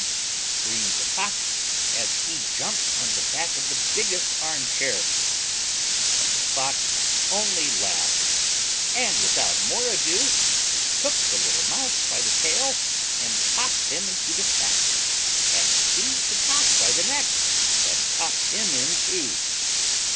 screamed the Cock, as he jumped on the back of the biggest arm chair[.] But the Fox only laughed, and without more ado he took the little Mouse by the tail, and popped him into the sack, and seized the Cock by the neck and popped him in too.